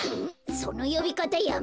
そのよびかたやめろ。